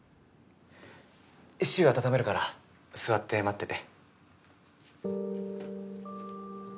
シチュー温めるから座って待ってて。